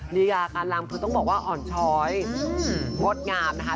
ลีลาการลำคือต้องบอกว่าอ่อนช้อยงดงามนะคะ